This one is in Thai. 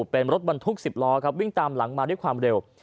เป็นรถบรรทุก๑๐ล้อครับวิ่งตามหลังมาด้วยความเร็ว